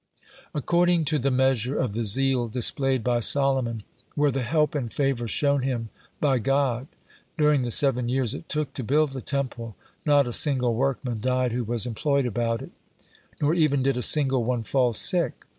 (59) According to the measure of the zeal displayed by Solomon were the help and favor shown him by God. During the seven years it took to build the Temple, not a single workman died who was employed about it, nor even did a single one fall sick.